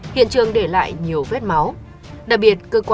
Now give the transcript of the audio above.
hiện trường để lại nhiều vết mắt